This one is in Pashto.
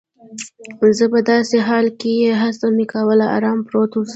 زه په داسې حال کې چي هڅه مې کول آرام پروت اوسم.